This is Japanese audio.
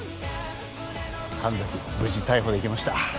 神崎無事逮捕できました。